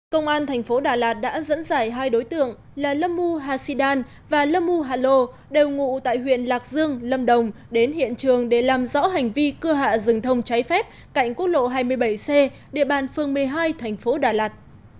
công an thành phố đà lạt đã dẫn dải hai đối tượng là lâm mưu hà sĩ đan và lâm mưu hà lô đều ngụ tại huyện lạc dương lâm đồng đến hiện trường để làm rõ hành vi cưa hạ rừng thông cháy phép cạnh quốc lộ hai mươi bảy c địa bàn phường một mươi hai thành phố đà lạt